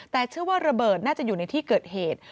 แต่เชื่อว่าระเบิดน่าจะอยู่ในที่เกิดเหตุ